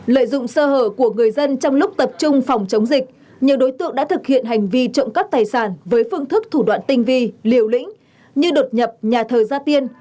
lợi dụng sơ hở của người dân trong lúc tập trung phòng chống dịch nhiều đối tượng đã thực hiện hành vi trộm cắp tài sản với phương thức thủ đoạn tinh vi liều lĩnh như đột nhập nhà thờ gia tiên